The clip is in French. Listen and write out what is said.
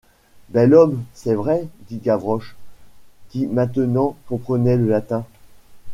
Bel homme ! c’est vrai, dit Gavroche, qui maintenant comprenait le latin.